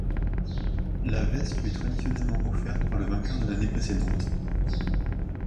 La veste lui est traditionnellement offerte par le vainqueur de l’année précédente.